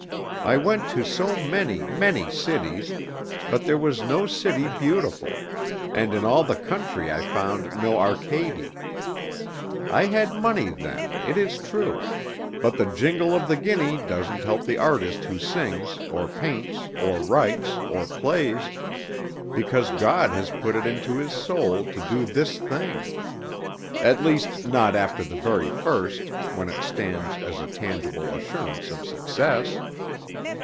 I went to so many, many cities, but there was no city beautiful, and in all the country I found no Arcady. I had money then, it is true; but the jingle of the guinea doesn't help the artist who sings, or paints, or writes, or plays, because God has put it into his soul to do this thing; at least not after the very first, when it stands as a tangible assurance of success.